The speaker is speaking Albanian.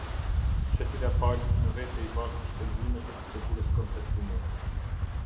Secila pale në vete i bartë shpenzimet e procedurës kontestimore.